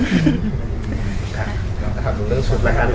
อะเข้าถามหนูเรื่องชุดแล้ว